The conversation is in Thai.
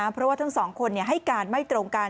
เพราะว่าทั้งสองคนให้การไม่ตรงกัน